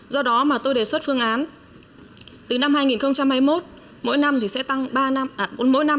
do đó mà tôi đề xuất phương án từ năm hai nghìn hai mươi một mỗi năm thì sẽ tăng ba tháng đối với nam